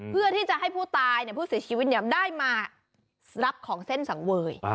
เพื่อที่จะให้ผู้ตายผู้เสียชีวิตได้มารับของเส้นสังเวย